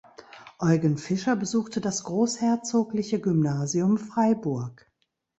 Eugen Fischer besuchte das Großherzogliche Gymnasium Freiburg.